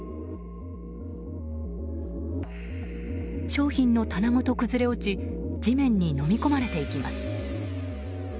商品の棚ごと崩れ落ち地面にのみ込まれていきます。